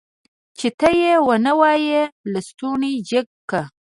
چې ته يې ونه وايي لستوڼی جګ که.